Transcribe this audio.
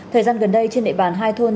thời gian gần đây trên nệ bàn hai thôn